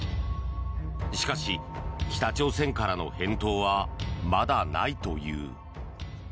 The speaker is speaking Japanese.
しかし、北朝鮮からの返答はまだないという。